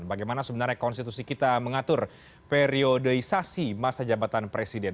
bagaimana sebenarnya konstitusi kita mengatur periodeisasi masa jabatan presiden